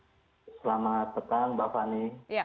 selamat petang mbak fani